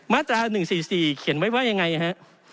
มาตรา๑๔๔เขียนไว้ว่ายังไงฮะ